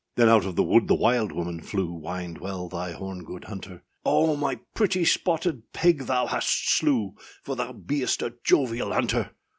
Then out of the wood the wild woman flew, Wind well thy horn, good hunter; âOh, my pretty spotted pig thou hast slew, For thou beest a jovial hunter.